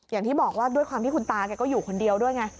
อย่างที่บอกว่าด้วยความที่คุณตาแกก็อยู่คนเดียวด้วยไง